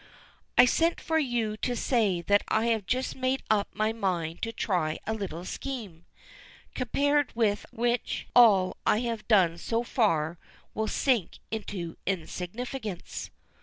"I sent for you to say that I have just made up my mind to try a little scheme, compared with which all I have done so far will sink into insignificance."